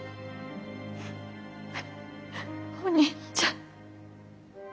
お兄ちゃん。